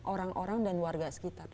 orang orang dan warga sekitar